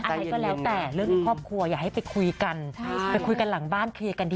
ก็แล้วแต่เรื่องข้อบครัวอย่าให้ไปคุยกัน